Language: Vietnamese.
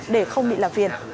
để không bị làm phiền